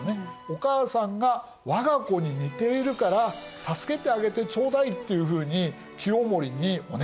お母さんが「我が子に似ているから助けてあげてちょうだい」っていうふうに清盛にお願いした。